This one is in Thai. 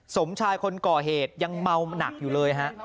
สมชายคนก่อเหตุยังเมาหนักอยู่เลยฮะ